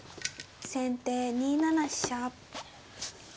先手２七飛車。